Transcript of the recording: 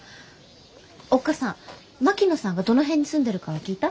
おっ母さん槙野さんがどの辺に住んでるかは聞いた？